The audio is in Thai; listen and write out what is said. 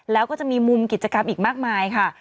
แล้วก็จะมีมุมกิจกรรมอีกมากมายค่ะ